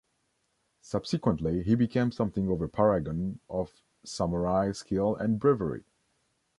Subsequently, he became something of a paragon of samurai skill and bravery.